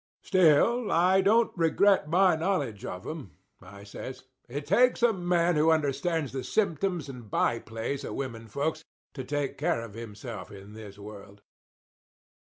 Still, I don't regret my knowledge of 'em," I says. "It takes a man who understands the symptoms and by plays of women folks to take care of himself in this world."